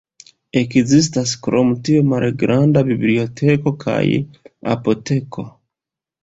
Ekzistis krom tio malgranda biblioteko kaj apoteko.